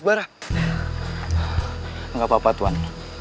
gak apa apa tuan